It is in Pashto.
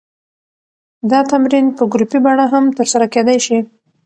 دا تمرین په ګروپي بڼه هم ترسره کېدی شي.